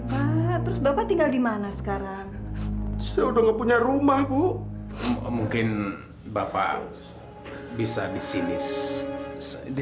nah terus bapak tinggal di mana sekarang sudah nggak punya rumah bu mungkin bapak bisa di sini